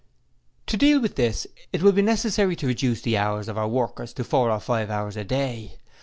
'To deal with this, it will be necessary to reduce the hours of our workers to four or five hours a day...